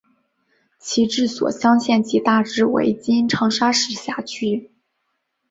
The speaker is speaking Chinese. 其治所湘县即大致为今长沙市辖区。